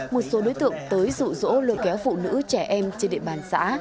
một số đối tượng tới rủ rỗ lừa kéo phụ nữ trẻ em trên địa bàn xã